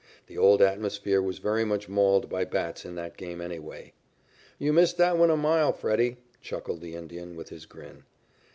The old atmosphere was very much mauled by bats in that game anyway. "You missed that one a mile, Freddie," chuckled the Indian, with his grin.